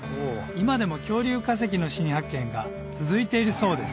今でも恐竜化石の新発見が続いているそうです